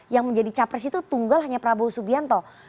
yang menjadi capres itu tunggal hanya prabowo subianto